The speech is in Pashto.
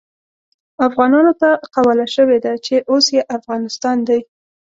افغانانو ته قواله شوې ده چې اوس يې افغانستان دی.